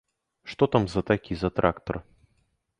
Што там за такі за трактар?